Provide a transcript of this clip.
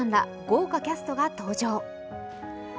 豪華キャストが登場。